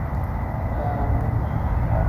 Faamuu.